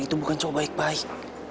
itu bukan cuma baik baik